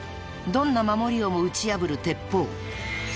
［どんな守りをも打ち破る鉄砲］